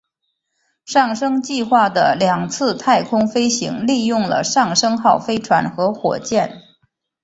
上升计划的两次太空飞行利用了上升号飞船和火箭。